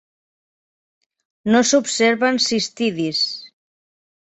No s'observen cistidis.